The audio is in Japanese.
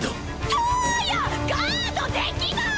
トウヤガードできない！